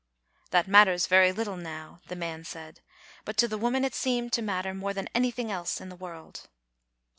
"That matters very little now," the man said, but to the woman it seemed to matter more than any thing else in the world.